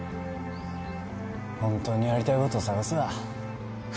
本当にやりたいことを探すわ。